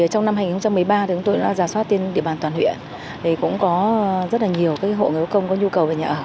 trong năm hai nghìn một mươi ba chúng tôi đã giả soát trên địa bàn toàn huyện cũng có rất là nhiều hộ nghèo công có nhu cầu về nhà ở